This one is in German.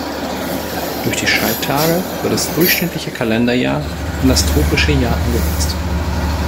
Durch die Schalttage wird das durchschnittliche Kalenderjahr an das tropische Jahr angepasst.